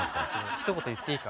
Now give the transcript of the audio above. ひと言言っていいか？